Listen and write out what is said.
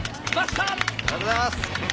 ありがとうございます！